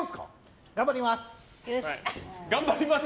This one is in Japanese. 頑張ります。